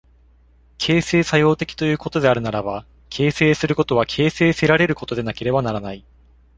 形成作用的ということであるならば、形成することは形成せられることでなければならない。